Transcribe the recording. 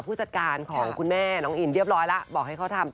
ผู้จัดการของคุณแม่น้องอินเรียบร้อยแล้วบอกให้เขาทำ